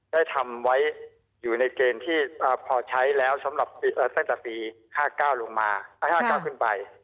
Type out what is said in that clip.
ได้ทำไว้อยู่ในเกณฑ์ที่พอใช้แล้วสำหรับตั้งแต่ปี๕๙ลงมาให้๕๙ขึ้นไป